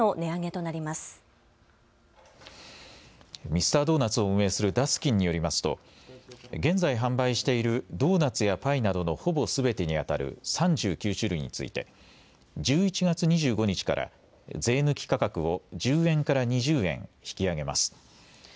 ミスタードーナツを運営するダスキンによりますと現在、販売しているドーナツやパイなどのほぼすべてにあたる３９種類について１１月２５日から税抜き価格を１０円から２０円引き上げます。